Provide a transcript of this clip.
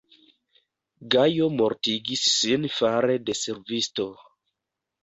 Gajo mortigis sin fare de servisto.